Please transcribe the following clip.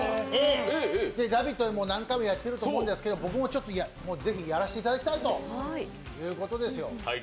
「ラヴィット！」でも何回もやっていると思うんですけど、僕もぜひやらせていただきたいということですよ。